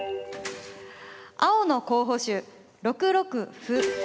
青の候補手６六歩。